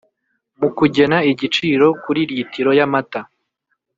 Mu kugena igiciro kuri litiro y amata